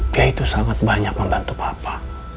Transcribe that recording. dia itu sangat banyak membantu papa